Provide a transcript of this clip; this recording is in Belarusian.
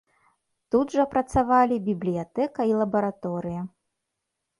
Тут жа працавалі бібліятэка і лабараторыя.